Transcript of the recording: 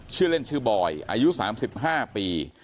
ชื่อเล่นชื่อบอยอายุ๓๕ปี